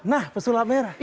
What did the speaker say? nah pesulap merah